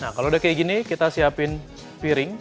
nah kalau udah kayak gini kita siapin piring